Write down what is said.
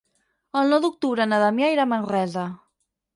El nou d'octubre na Damià irà a Manresa.